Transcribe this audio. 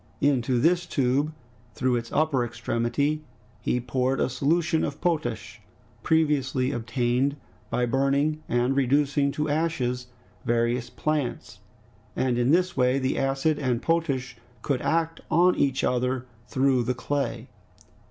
Into this tube, through its upper extremity, he poured a solution of potash, previously obtained by burning and reducing to ashes various plants, and in this way the acid and potash could act on each other through the clay.